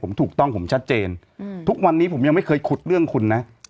ผมถูกต้องผมชัดเจนทุกวันนี้ผมยังไม่เคยขุดเรื่องคุณนะ